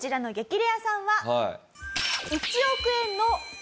レアさんは。